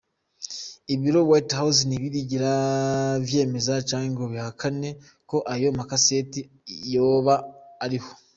Ibiro White House ntibirigera vyemeza canke ngo bihakane ko ayo ma "cassettes" yoba ariho.